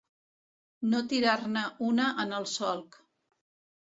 No tirar-ne una en el solc.